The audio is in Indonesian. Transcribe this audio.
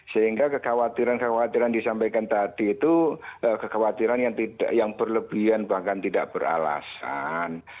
sehingga kekhawatiran kekhawatiran disampaikan tadi itu kekhawatiran yang berlebihan bahkan tidak beralasan